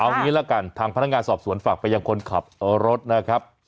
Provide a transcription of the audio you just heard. เอางี้ละกันทางพนักงานสอบสวนฝากไปยังคนขับรถนะครับ